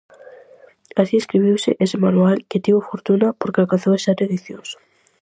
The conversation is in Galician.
Así, escribiuse ese manual, que tivo fortuna, porque alcanzou sete edicións.